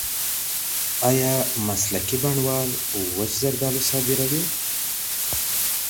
ایا مسلکي بڼوال وچ زردالو صادروي؟